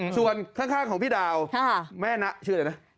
ส่วนข้างของพี่ดาวแม่นะชื่ออะไรนะ